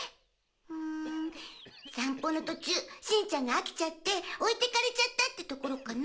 うん散歩の途中しんちゃんが飽きちゃって置いていかれちゃったってところかな？